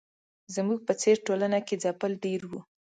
زموږ په څېر ټولنه کې ځپل ډېر وو.